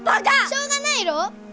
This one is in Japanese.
しょうがないろう！